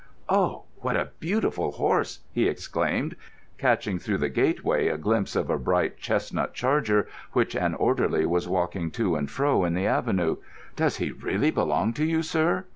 Oh, what a beautiful horse!" he exclaimed, catching through the gateway a glimpse of a bright chestnut charger which an orderly was walking to and fro in the avenue. "Does he really belong to you, sir?"